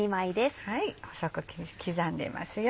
細く刻んでいますよ。